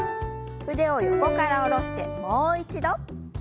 腕を横から下ろしてもう一度。